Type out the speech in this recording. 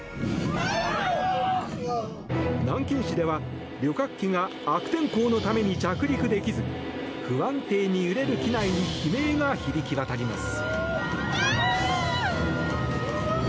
南京市では、旅客機が悪天候のために着陸できず不安定に揺れる機内に悲鳴が響き渡ります。